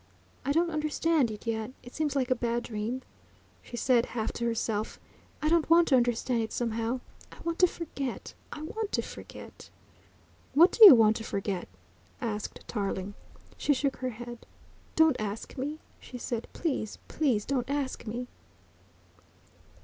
"I don't understand it yet; it seems like a bad dream," she said half to herself. "I don't want to understand it somehow ... I want to forget, I want to forget!" "What do you want to forget?" asked Tarling. She shook her head. "Don't ask me," she said. "Please, please, don't ask me!"